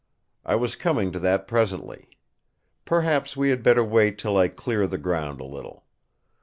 I was coming to that presently. Perhaps we had better wait till I clear the ground a little.